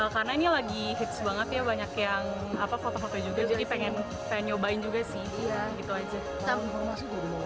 karena ini lagi hits banget ya banyak yang foto foto juga jadi pengen nyobain juga sih